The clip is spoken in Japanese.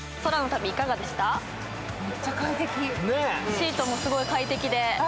シートもすごい快適で。